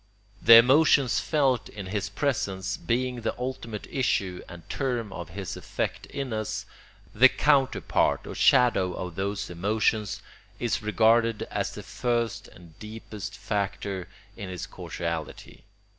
The emotions felt in his presence being the ultimate issue and term of his effect in us, the counterpart or shadow of those emotions is regarded as the first and deepest factor in his causality.